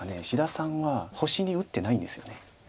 志田さんは星に打ってないんですよね。